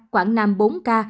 quảng nam bốn ca